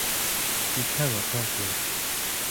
You cannot help me.